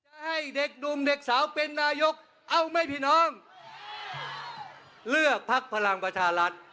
ให้เด็กหนุ่มเด็กสาวเป็นนาโยคเอาไม่ผิดน้องเลือกภักดิ์พลังประชาลัด